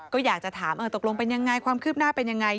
ก็อยากจะถามตกลงเป็นยังไงความคืบหน้าเป็นยังไง